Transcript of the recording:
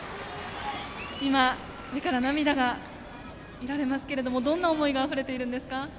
今、目から涙が見られますけれどもどんな思いがあふれているんですか？